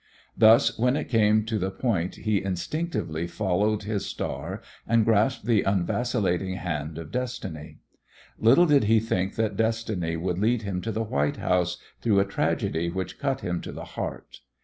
Thus when it came to the point he instinctively followed his star and grasped the unvacillating hand of destiny. Little did he think that destiny would lead him to the White House through a tragedy which cut him to the heart.